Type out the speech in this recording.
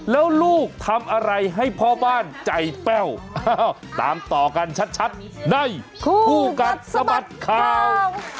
แล้วลูกทำอะไรให้พ่อบ้านใจแป้วตามต่อกันชัดในคู่กัดสะบัดข่าว